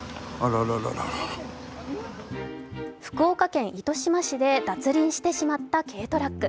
福岡県糸島市で脱輪してしまった軽トラック。